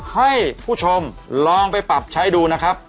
ให้ผู้ชมลองไปปรับใช้ดูนะครับ